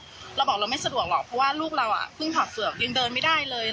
เราบอกว่าเราไม่สะดวกเพราะว่าลูกเราอ่ะเพิ่งผอบเฝือบทางยังเดินไม่ได้เลย